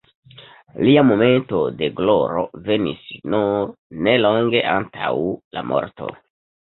Lia momento de gloro venis nur nelonge antaŭ la morto.